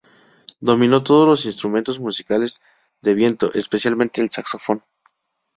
Dominó todos los instrumentos musicales de viento, especialmente el saxofón.